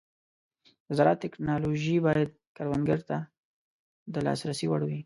د زراعت ټيکنالوژي باید کروندګرو ته د لاسرسي وړ وي.